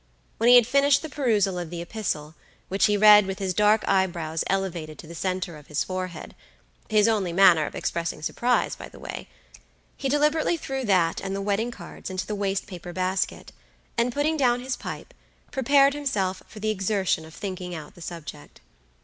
When he had finished the perusal of the epistle, which he read with his dark eyebrows elevated to the center of his forehead (his only manner of expressing surprise, by the way) he deliberately threw that and the wedding cards into the waste paper basket, and putting down his pipe, prepared himself for the exertion of thinking out the subject.